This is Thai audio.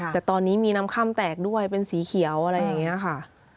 แต่ตอนนี้มีน้ำค่ำแตกด้วยเป็นสีเขียวอะไรอย่างนี้ค่ะ